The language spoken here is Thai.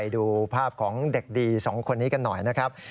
ดูภาพของเด็กดี๒คนนี้กันหน่อยนะครับ